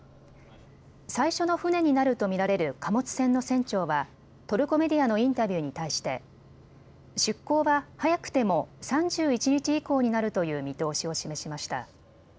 最初の船になると見られる貨物船の船長はトルコメディアのインタビューに対して出港は早くても３１日以降になるという見通しを示しました。